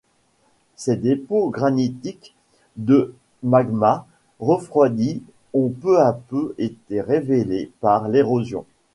Ces dépôts granitiques de magma refroidi ont peu à peu été révélés par l'érosion.